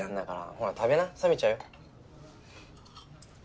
ほら食べな冷めちゃうよ。